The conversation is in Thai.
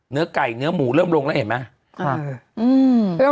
เนื้อไก่เนื้อหมูเริ่มลงแล้วเห็นไหม